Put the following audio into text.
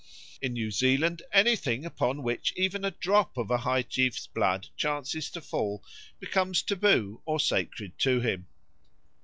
In New Zealand anything upon which even a drop of a high chief's blood chances to fall becomes taboo or sacred to him.